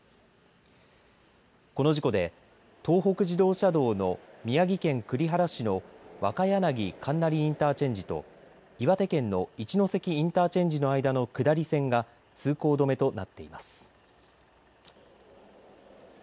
この事故で東北自動車道の宮城県栗原市の若柳金成インターチェンジと岩手県の一関インターチェンジの間の下り線が通行止めとなっています。